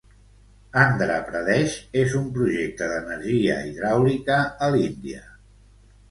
Andra Pradesh és un projecte d'energia hidràulica a l'Índia.